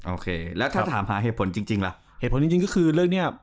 โอเคแล้วถ้าถามหาเหตุผลจริงล่ะเหตุผลจริงก็คือเรื่องเนี้ย